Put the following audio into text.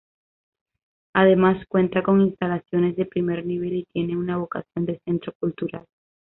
Además, cuenta con instalaciones de primer nivel y tiene una vocación de centro cultural.